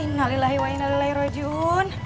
tinggalilah wainalilahi rojun